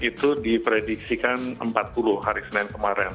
itu diprediksikan empat puluh hari senin kemarin